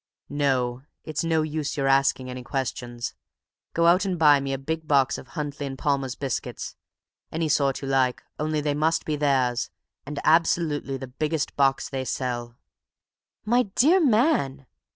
No, it's no use your asking any questions. Go out and buy me a big box of Huntley & Palmer's biscuits; any sort you like, only they must be theirs, and absolutely the biggest box they sell." "My dear man!"